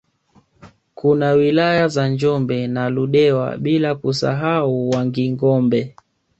Kuna wilaya za Njombe na Ludewa bila kusahau Wangingombe